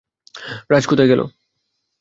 রাজ কোথায় গেল?